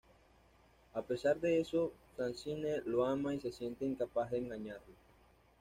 A pesar de eso, Francine lo ama y se siente incapaz de engañarlo.